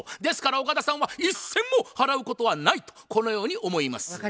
ですから岡田さんは一銭も払うことはないとこのように思います。